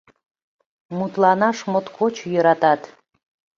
Мутланаш моткоч йӧратат.